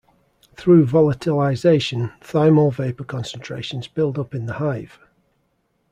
Through voltilisation, thymol vapour concentrations build up in the hive.